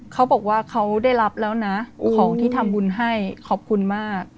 เขาบอกว่าเขาได้รับแล้วนะของที่ทำบุญให้ขอบคุณมาก